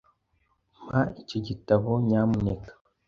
Mpa icyo gitabo, nyamuneka.